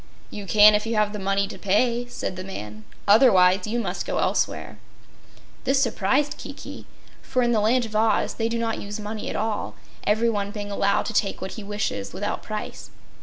"You can if you have the money to pay," said the man, "otherwise you must go elsewhere." This surprised Kiki, for in the Land of Oz they do not use money at all, everyone being allowed to take what he wishes without price.